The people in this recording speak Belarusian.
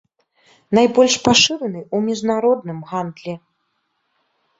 Найбольш пашыраны ў міжнародным гандлі.